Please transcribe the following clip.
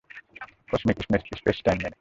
Cosmic space time মেনে।